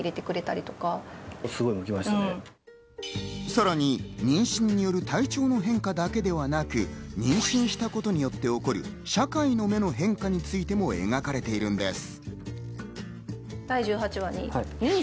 さらに妊娠による体調の変化だけでなく、妊娠したことによって起こる社会の目の変化についても描かれているのです。